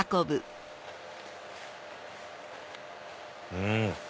うん！